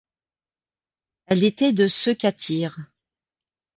Elle était de. ceux qu'attire